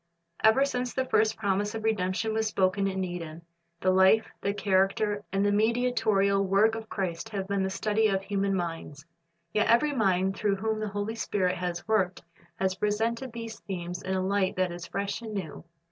Ever since the first promise of redemption Avas spoken in Eden, the life, the character, and the mediatorial work of Christ have been the study of human minds. Yet every mind through whom the Holy Spirit has worked has presented these themes in a light that is fresh and new.